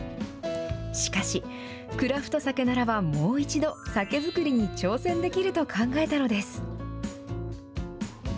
しかし、クラフトサケならば、もう一度、酒造りに挑戦できると考えたのです。